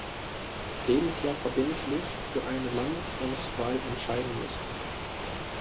Lebensjahr verbindlich für eine Landesauswahl entscheiden musste.